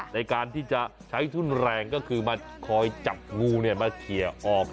ในการที่จะใช้ทุนแรงก็คือมาคอยจับงูมาเคลียร์ออก